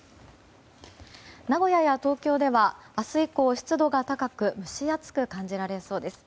名古屋や東京では明日以降、湿度が高く蒸し暑く感じられそうです。